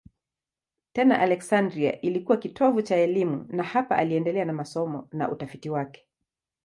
Tena Aleksandria ilikuwa kitovu cha elimu na hapa aliendelea na masomo na utafiti wake.